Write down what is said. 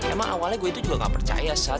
emang awalnya gua itu juga gak percaya sat